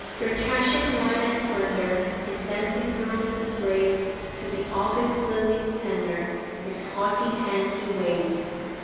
Circassian white and slender, His dancing girls and slaves, To the August lilies tender, His haughty hand he waves.